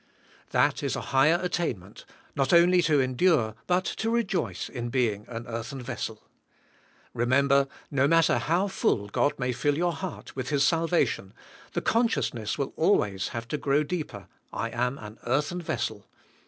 That is a higher attainment, not only to endure but to rejoice in being an earthen vessel. Remember, no matter how full God may fill your heart with His salvation, the consciousness will always have to grow deeper. THK HKAVKNi^Y Treasure;. 169 I am an earthen vessel.